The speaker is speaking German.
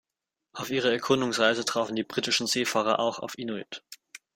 Auf ihrer Erkundungsreise trafen die britischen Seefahrer auch auf Inuit.